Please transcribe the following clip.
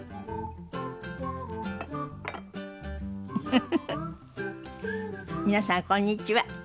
フフフフ皆さんこんにちは。